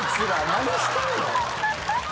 何してんの？